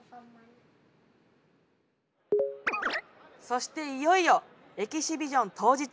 そしていよいよエキシビション当日。